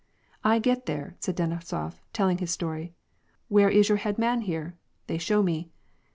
" 1 get there," said Denisof, telling his story. "' Where is your head man here ?' They show me.